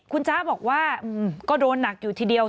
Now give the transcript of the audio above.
คุณจ๊ะบอกว่าก็โดนหนักอยู่ทีเดียว